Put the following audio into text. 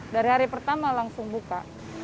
dari hari pertama langsung buka